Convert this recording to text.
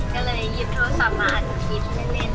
ใช่ก็เลยหยุดโทษสามราชีพอ่ะ